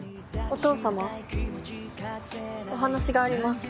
お父様お話があります。